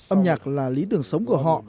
âm nhạc là lý tưởng sống của họ